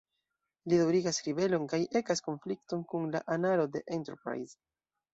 Li daŭrigas ribelon kaj ekas konflikton kun la anaro de "Enterprise".